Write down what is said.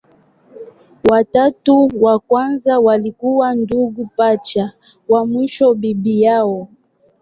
Watatu wa kwanza walikuwa ndugu pacha, wa mwisho bibi yao.